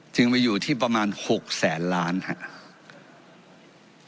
จึงไปอยู่ที่ประมาณ๖แสนล้านครับ